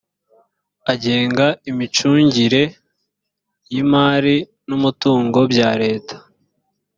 agenga imicungire y imari n umutungo bya leta